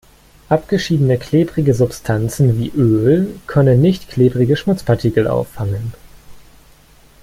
Abgeschiedene klebrige Substanzen wie Öl können nicht klebrige Schmutzpartikel auffangen.